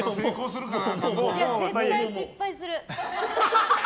絶対失敗する。